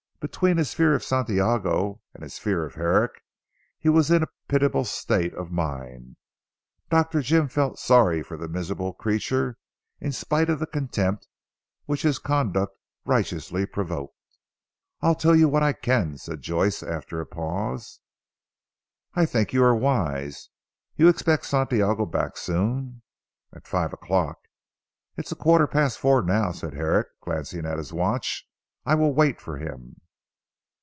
Between his fear of Santiago and his fear of Herrick he was in a pitiable state of mind. Dr. Jim felt sorry for the miserable creature in spite of the contempt which his conduct righteously provoked. "I'll tell you what I can," said Joyce after a pause. "I think you are wise. You expect Santiago back soon?" "At five o'clock." "It is a quarter past four now," said Herrick glancing at his watch. "I will wait for him."